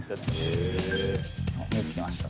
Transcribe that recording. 見えてきました。